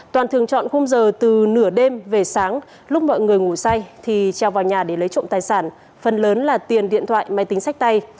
toàn thường chọn khung giờ từ nửa đêm về sáng lúc mọi người ngủ say thì treo vào nhà để lấy trộm tài sản phần lớn là tiền điện thoại máy tính sách tay